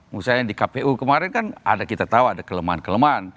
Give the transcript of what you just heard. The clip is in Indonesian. misalnya di kpu kemarin kan ada kita tahu ada kelemahan kelemahan